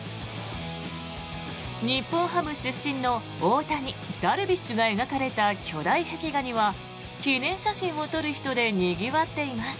日本ハム出身の大谷・ダルビッシュが描かれた巨大壁画には記念写真を撮る人でにぎわっています。